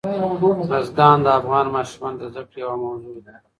بزګان د افغان ماشومانو د زده کړې یوه موضوع ده.